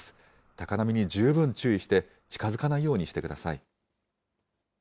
高波に十分注意して、近づかないようにしてください。